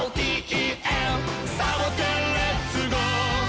「サボテンレッツゴー！」